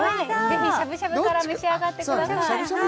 ぜひしゃぶしゃぶから召し上がってくださいそうですね